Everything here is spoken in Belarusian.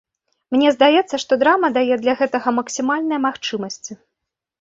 Мне здаецца, што драма дае для гэтага максімальныя магчымасці.